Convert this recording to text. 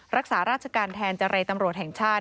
รักษาราชการแทนเจรตำรวจแห่งชาติ